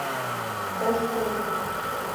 — Ошкыл!